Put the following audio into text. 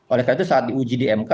oleh karena itu saat diuji di mk